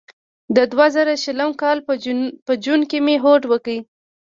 د دوه زره شلم کال په جون کې مې هوډ وکړ.